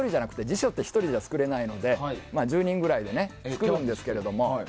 辞書って１人じゃ作れないので１０人ぐらいで作るんですけれども。